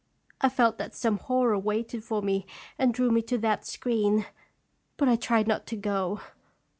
I felt that some horror waited for me and drew me to that screen, but I tried not to go.